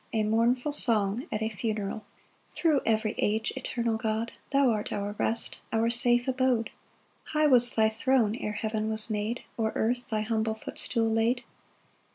A mournful song at a funeral. 1 Thro' every age, eternal God, Thou art our rest, our safe abode; High was thy throne ere heaven was made, Or earth thy humble footstool laid.